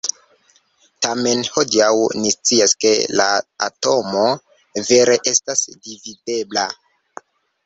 Tamen, hodiaŭ ni scias ke la atomo vere estas dividebla.